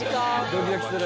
ドキドキする！